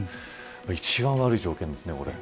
一番悪い条件ですね。